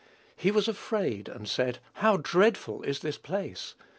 "He was afraid, and said, How dreadful is this place!